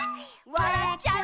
「わらっちゃう」